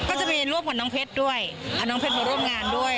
ก็จะมีร่วมกับน้องเพชรด้วยเอาน้องเพชรมาร่วมงานด้วย